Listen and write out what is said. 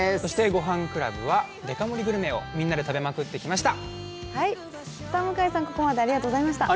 「ごはんクラブ」はデカ盛りグルメをみんなで食べまくってきました。